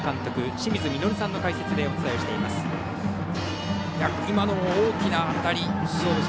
清水稔さんの解説でお伝えしています。